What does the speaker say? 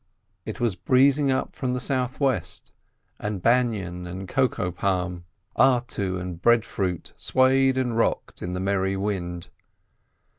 It was breezing up from the south west, and banyan and cocoa palm, artu and breadfruit tree, swayed and rocked in the merry wind.